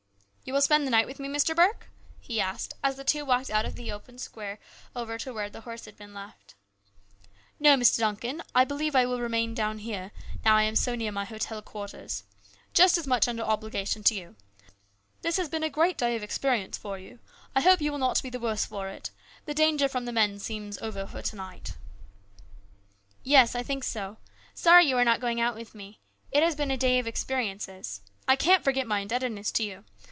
" You will spend the night with me, Mr Burke ?" he asked as the two walked out of the square over to where the horse had been left. 96 HIS BROTHER'S KEEPER. " No, Mr Duncan ; I believe I will remain down here, now I am so near my hotel quarters. Just as much under obligations to you. This has been a great day of experience for you. I hope you will not be the worse for it. The danger from the men seems over for to night." " Yes ; I think so. Sorry you are not going out with me. It has been a day of experiences. I can't forget my indebtedness to you.